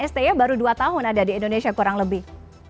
sti baru dua tahun ada di indonesia kurang lebih